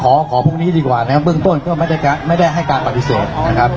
ก็ขอพรุ่งนี้ดีกว่าเพราะเพิ่งต้นไม่ได้ให้การปฏิเสธ